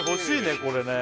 これね